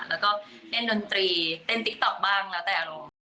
แล้วก็เล่นดนตรีเต้นติ๊กต๊อกบ้างแล้วแต่อารมณ์